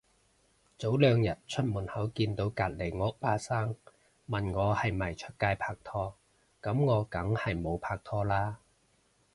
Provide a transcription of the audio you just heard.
早兩日出門口見到隔離屋阿生，問我係咪出街拍拖，噉我梗係冇拖拍啦